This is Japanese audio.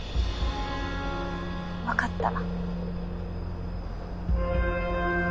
わかった。